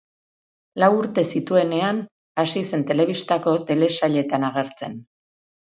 Lau urte zituenean, hasi zen telebistako telesailetan agertzen.